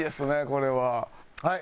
これは。はい。